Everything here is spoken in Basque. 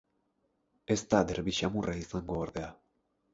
Ez da derbi samurra izango, ordea.